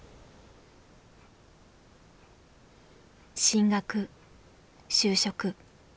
進学就職。